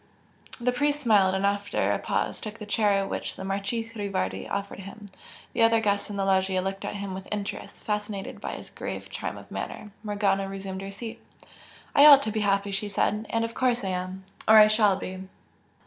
The priest smiled and after a pause took the chair which the Marchese Rivardi offered him. The other guests in the loggia looked at him with interest, fascinated by his grave charm of manner. Morgana resumed her seat. "I ought to be happy" she said "And of course I am or I shall be!"